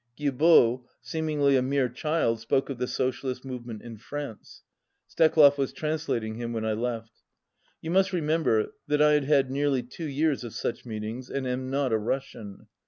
Guilbeau, seemingly a mere child, spoke of the socialist movement in France. Steklov was translating him when I left. You must remember that I had had nearly two years of such meetings, and am not a Russian.